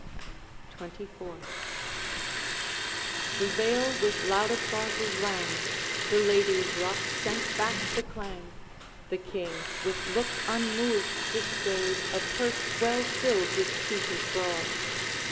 XXIV. The vale with loud applauses rang, The Ladies' Rock sent back the clang. The King, with look unmoved, bestowed A purse well filled with pieces broad.